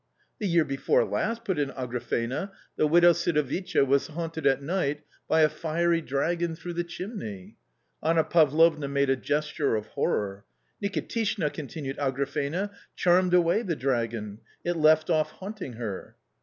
"The year before last," put in Agrafena, "the widow Sidovicha was haunted at night by a fiery dragon through the chimney." Anna Pavlovna made a gesture of horror. " Nikitishna," continued Agrafena, " charmed away the dragon ; it left off haunting her."